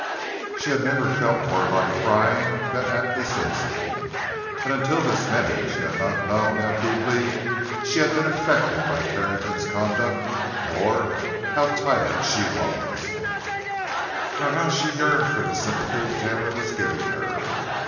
She had never felt more like crying than at this instant, and until this minute she had not known how deeply she had been affected by Carrington's conduct, nor how tired she was, nor how she had yearned for the sympathy Taylor was giving her.